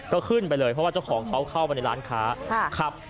ก็ขึ้นไปเลยเพราะว่าเจ้าของเขาเข้าไปในร้านค้าครับ